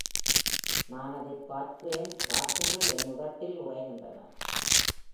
நான் அதைப் பார்க்கிறேன், வார்த்தைகள் என் உதட்டில் உறைகின்றன.